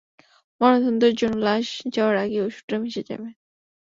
ময়নাতদন্তের জন্য লাশ যাওয়ার আগেই ওষুধটা মিশে যাবে।